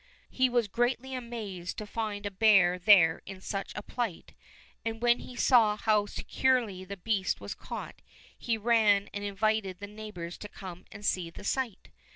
He was greatly amazed to find a bear there in such a plight, and when he saw how securely the beast was caught, he ran and invited the neighbors to come and see the sight.